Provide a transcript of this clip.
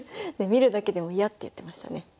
見るだけでも嫌って言ってましたね。